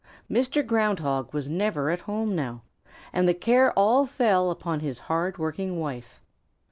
Mr. Ground Hog was never at home now, and the care all fell upon his hard working wife.